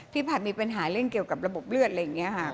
ผัดมีปัญหาเรื่องเกี่ยวกับระบบเลือดอะไรอย่างนี้ค่ะ